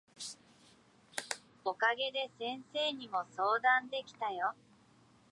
お陰で先生にも相談できたよ。